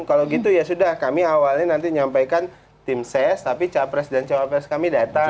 kalau gitu ya sudah kami awalnya nanti nyampaikan tim ses tapi capres dan cawapres kami datang